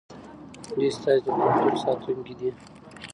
دوی ستاسې د کلتور ساتونکي دي.